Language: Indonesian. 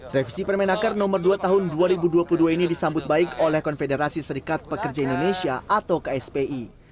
revisi permenaker nomor dua tahun dua ribu dua puluh dua ini disambut baik oleh konfederasi serikat pekerja indonesia atau kspi